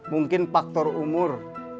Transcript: mungkin faktor umur